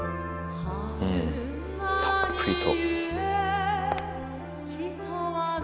うんたっぷりと。